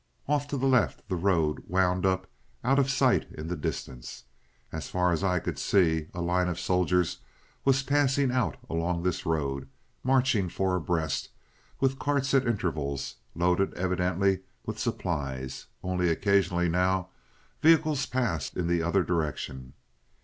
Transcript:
Off to the left the road wound up out of sight in the distance. As far as I could see, a line of soldiers was passing out along this road marching four abreast, with carts at intervals, loaded evidently with supplies; only occasionally, now, vehicles passed in the other direction.